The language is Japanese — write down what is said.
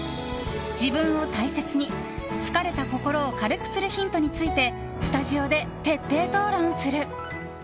自分を大切に疲れた心を軽くするヒントについてスタジオで徹底討論する！